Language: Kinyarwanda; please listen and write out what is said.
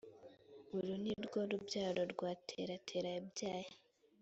uru ni rwo rubyaro rwa tera tera yabyaye